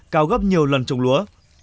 cao gấp nhiều lần trồng lúa